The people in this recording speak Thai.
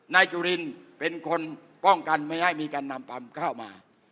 นายจุลินเป็นคนป้องกันไม่ให้มีการนำความก้าวมา